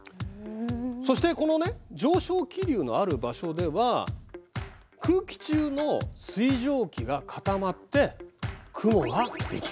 そしてこの上昇気流のある場所では空気中の水蒸気が固まって雲が出来る。